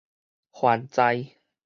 還在